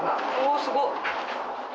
おすごっ。